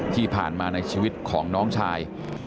ที่ผ่านมาในชีวิตของน้องชาย